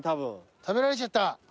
食べられちゃった。